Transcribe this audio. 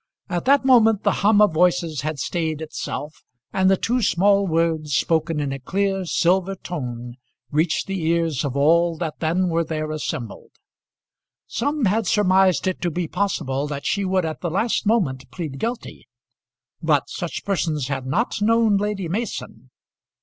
At that moment the hum of voices had stayed itself, and the two small words, spoken in a clear, silver tone, reached the ears of all that then were there assembled. Some had surmised it to be possible that she would at the last moment plead guilty, but such persons had not known Lady Mason.